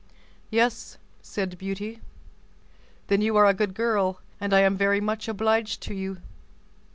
"Yes," said Beauty. "Then you are a good girl, and I am very much obliged to you."